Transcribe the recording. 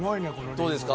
どうですか？